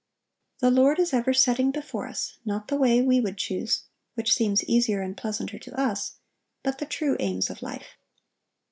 The Lord is ever setting before us, not the way we would choose, which seems easier and pleasanter to us, but the true aims of life.